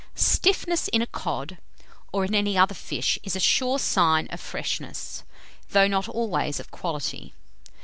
Stiffness in a cod, or in any other fish, is a sure sign of freshness, though not always of quality.